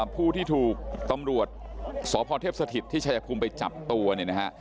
ผู้ที่ถูกตำรวจสพเทพสถิตที่ชายภูมิไปจับตัวเนี่ยนะฮะ